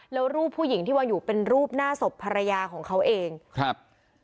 แล้วรูปผู้หญิงที่วางอยู่เป็นรูปหน้าศพภรรยาของเขาเองครับ